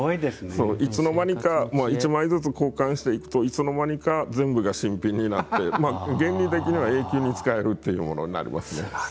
いつの間にか１枚ずつ交換していくといつの間にか全部が新品になって原理的には永久に使えるっていうものになりますね。